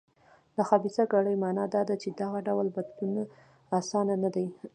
د خبیثه کړۍ معنا دا ده چې دغه ډول بدلون اسانه نه دی.